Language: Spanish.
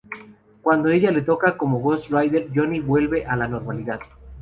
Cuando ella le toca como el Ghost Rider, Johnny vuelve a la normalidad.